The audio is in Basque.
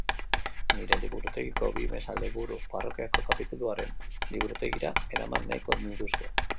Nire liburutegiko bi meza-liburu parrokiako kapilauaren liburutegira eraman nahiko nituzke.